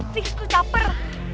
fiks tuh caper